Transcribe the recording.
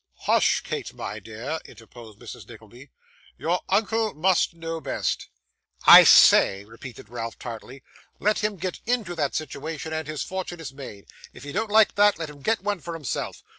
'Hush, Kate my dear,' interposed Mrs. Nickleby; 'your uncle must know best.' 'I say,' repeated Ralph, tartly, 'let him get that situation, and his fortune is made. If he don't like that, let him get one for himself.